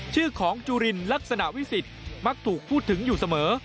ชื่อของจุลินลักษณะวิสิทธิ์มักถูกพูดถึงอยู่เสมอ